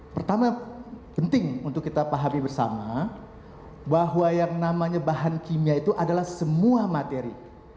pertama penting untuk kita pahami bersama bahwa yang namanya bahan kimia itu adalah semua materi